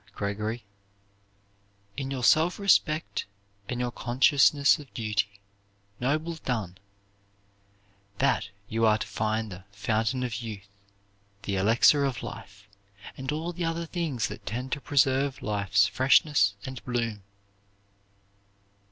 Gregory, "in your self respect and your consciousness of duty nobly done that you are to find the 'Fountain of Youth,' the 'Elixir of Life,' and all the other things that tend to preserve life's freshness and bloom.